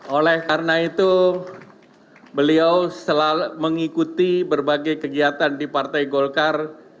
oleh karena itu beliau selalu mengikuti berbagai kegiatan di partai golkar